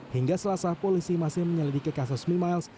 hingga selasa polisi masih menyelidiki kasus mimiles